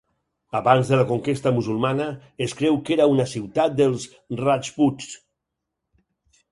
Abans de la conquesta musulmana es creu que era una ciutat dels rajputs.